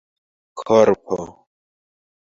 korpo